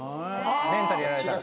メンタルやられたら。